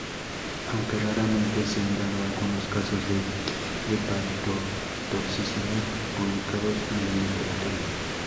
Aunque raramente, se han dado algunos casos de hepatotoxicidad publicados en la literatura.